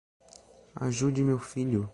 Ajude meu filho